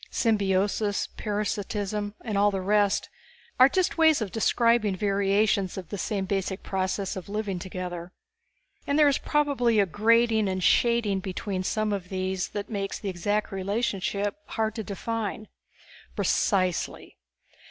Symbiosis, parasitism and all the rest are just ways of describing variations of the same basic process of living together. And there is probably a grading and shading between some of these that make the exact relationship hard to define." "Precisely.